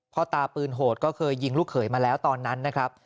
พ่อตาปืนโหดก็เคยยิงลูกเขยมาแล้วตอนนั้นนะครับ